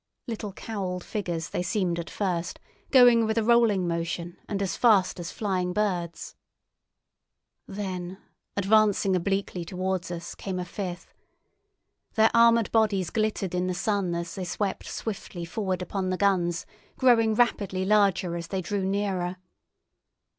Little cowled figures they seemed at first, going with a rolling motion and as fast as flying birds. Then, advancing obliquely towards us, came a fifth. Their armoured bodies glittered in the sun as they swept swiftly forward upon the guns, growing rapidly larger as they drew nearer.